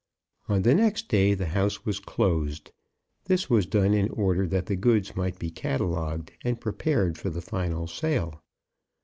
On the next day the house was closed. This was done in order that the goods might be catalogued and prepared for the final sale.